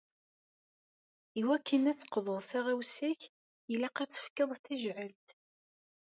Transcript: I wakken ad d-teqḍuḍ taɣawsa-k, ilaq ad tefkeḍ tajɛelt.